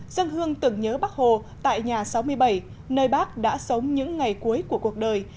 dân hương tưởng nhớ bắc hồ tại nhà sáu mươi bảy nơi bác đã sống những ngày cuối của cuộc đời